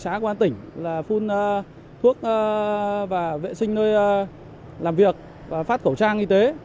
với bệnh sá của an tỉnh là phun thuốc và vệ sinh nơi làm việc và phát khẩu trang y tế